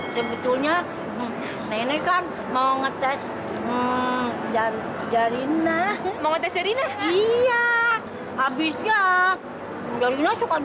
sebetulnya nenek kan mau ngetes jarina mau tes jari nah iya habisnya jari